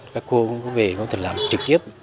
các cô cũng có thể làm trực tiếp